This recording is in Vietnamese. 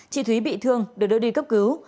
chị thúy bị thương được đưa đi cấp cứu